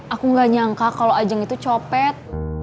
aku gak nyangka kalau ajang itu copet